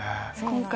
今回。